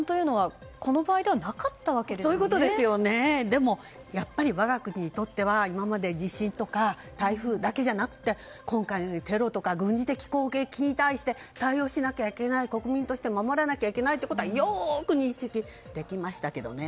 でもやっぱり我が国にとっては地震とか台風だけじゃなくて今回のようにテロとか軍事的攻撃に対して対応しなきゃいけない国民として守らなければいけないことはよく認識できましたけどね。